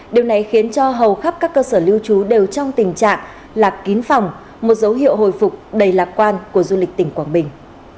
điều này khiến cho hầu khắp các cơ sở lưu trú đều trong tình trạng lạc kín phòng một dấu hiệu hồi phục đầy lạc quan của du lịch tỉnh quảng bình